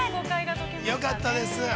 ◆よかったです。